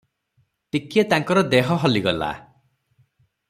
ଟିକିଏ ତାଙ୍କ ଦେହ ହଲିଗଲା ।